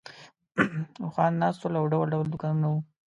اوښان ناست وو او ډول ډول دوکانونه وو.